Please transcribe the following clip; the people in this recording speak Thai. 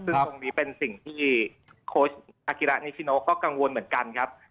ซึ่งตรงนี้เป็นสิ่งที่โค้ชอากิระนิชิโนก็กังวลเหมือนกันครับ